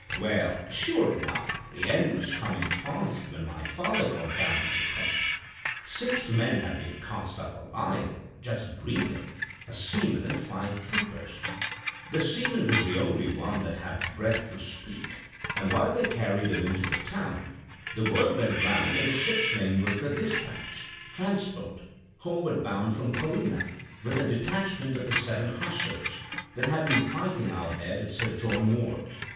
"Well, sure enough, the end was coming fast when my father got down to the point. Six men had been cast up alive, or just breathing—a seaman and five troopers. The seaman was the only one that had breath to speak; and while they were carrying him into the town, the word went round that the ship's name was the 'Despatch,' transport, homeward bound from Corunna, with a detachment of the Seventh Hussars, that had been fighting out there with Sir John Moore.